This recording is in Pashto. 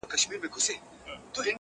o ما وتا بېل كړي سره.